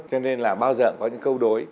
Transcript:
cho nên là bao giờ có những câu đối